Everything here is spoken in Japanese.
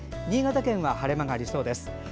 新潟県は晴れ間がありそうです。